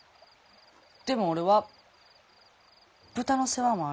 でも俺は豚の世話もあるし。